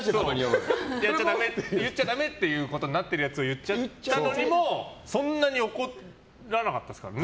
言っちゃダメってなってるやつを言っちゃった時もそんなに怒らなかったですからね。